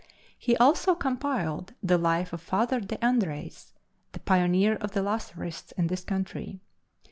He also compiled the life of Father De Andreis, the pioneer of the Lazerists in this country.